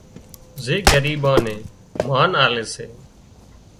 زي ڳريٻان نين مانَ آلي سي